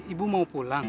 ibu dari mana